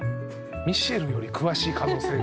ミッシェルより詳しい可能性があるか。